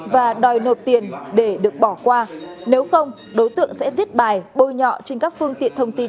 và đòi nộp tiền để được bỏ qua nếu không đối tượng sẽ viết bài bôi nhọ trên các phương tiện thông tin